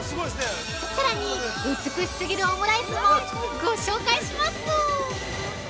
さらに美しすぎるオムライスもご紹介します！